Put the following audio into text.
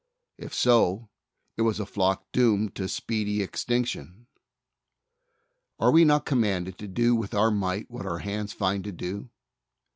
If so it was a flock doomed to speedy extinction. Are we not commanded to do with our might what our hands find to do?